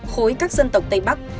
khối các dân tộc tây bắc